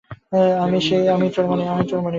আমিই তোর মনিব।